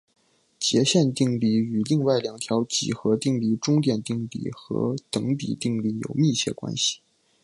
截线定理与另外两条几何定理中点定理和等比定理有密切关系。